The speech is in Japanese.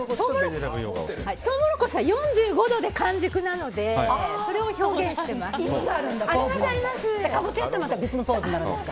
トウモロコシは４５度で完熟なのでそれを表現しています。